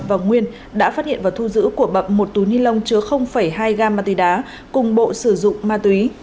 và nguyên đã phát hiện và thu giữ của bậm một túi ni lông chứa hai gam ma túy đá cùng bộ sử dụng ma túy